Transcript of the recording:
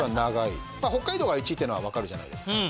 北海道が１位というのは分かるじゃないですか。